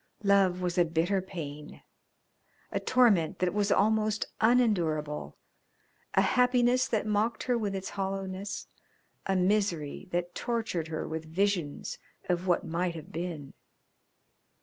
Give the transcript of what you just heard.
Love was a bitter pain, a torment that was almost unendurable, a happiness that mocked her with its hollowness, a misery that tortured her with visions of what might have been.